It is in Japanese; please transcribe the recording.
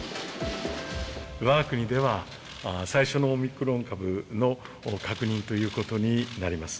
わが国では、最初のオミクロン株の確認ということになります。